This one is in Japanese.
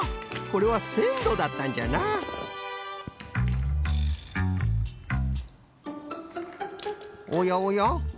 これはせんろだったんじゃなおやおや？